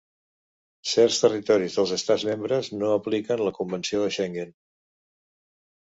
Certs territoris dels Estats membres no apliquen la convenció de Schengen.